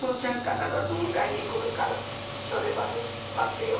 必ず迎えに来るからそれまで待ってよ。